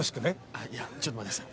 あっいやちょっと待ってくださ。